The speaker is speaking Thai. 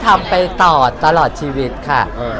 อ๋อทำไปตอดตลอดชีวิตค่ะเออ